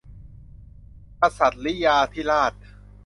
กษัตริยาธิราช